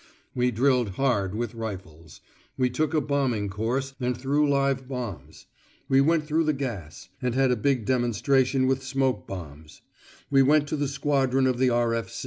We drilled hard with rifles: we took a bombing course and threw live bombs: we went through the gas, and had a big demonstration with smoke bombs: we went to a squadron of the R.